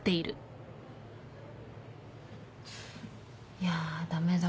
いや駄目だ。